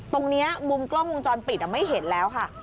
ตรงนี้มุมกล้องวงจรปิดไม่เห็นแล้วค่ะ